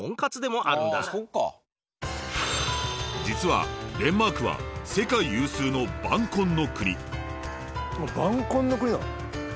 実はデンマークは世界有数の晩婚の国。